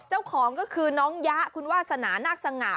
เจ้าของก็คือน้องยะคุณวาสนานาคสง่า